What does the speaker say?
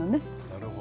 なるほど。